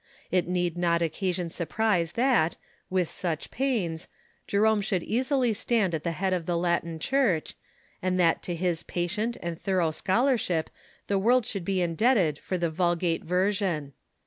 It need not occasion surprise that, Avith such pains, Jerome should easily stand at the head of the Latin Church, and that to his patient and thorough scholarship the world should be indebted for the Vulgate ver sion.